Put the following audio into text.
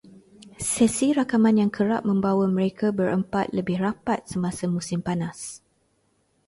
Sesi rakaman yang kerap membawa mereka berempat lebih rapat semasa musim panas